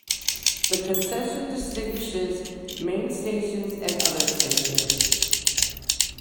The concession distinguishes main stations and other stations.